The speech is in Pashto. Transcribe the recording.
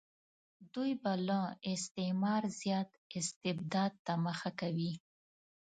دوی به له استعمار زیات استبداد ته مخه کوي.